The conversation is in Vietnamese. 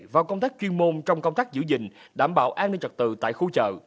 và công tác chuyên môn trong công tác giữ gìn đảm bảo an ninh trật tự tại khu chợ